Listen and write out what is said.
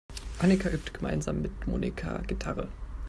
Annika übt gemeinsam mit Monika Gitarre.